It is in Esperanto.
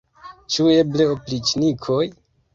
Ĉu eble opriĉnikoj?